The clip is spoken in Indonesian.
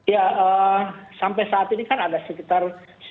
ya sampai saat ini kan ada sekitar sembilan belas